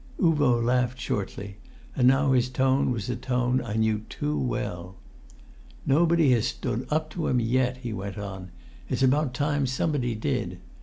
Uvo laughed shortly, and now his tone was a tone I knew too well. "Nobody has stood up to him yet," he went on; "it's about time somebody did.